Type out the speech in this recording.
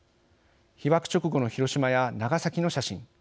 被爆直後の広島や長崎の写真